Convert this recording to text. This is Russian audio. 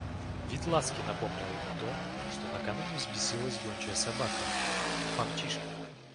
Вид Ласки напомнил ему то, что накануне взбесилась гончая собака, Помчишка.